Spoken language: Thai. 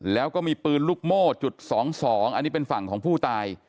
แล้วก็มีปืนลูกโม่จุด๒๒อันนี้เป็นฝั่งของผู้ตาย